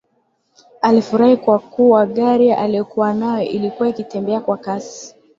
Alifurahi kwa kuwa gari aliyokuwa nayo ilikuwa ikitembea kwa kasi